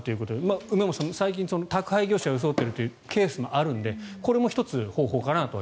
梅本さん、最近宅配業者を装っていることもあるというのとでこれも１つ方法かなと。